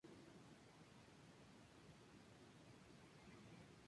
Además cuenta con múltiples antenas de comunicación y telefonía.